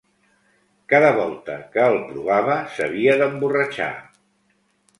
Cada volta que el provava s’havia d’emborratxar;